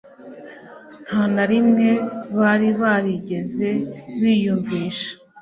nta na rimwe bari barigeze biyumvisha